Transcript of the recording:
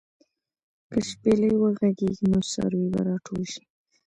که شپېلۍ وغږېږي، نو څاروي به راټول شي.